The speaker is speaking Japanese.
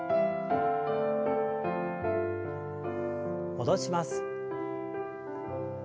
戻します。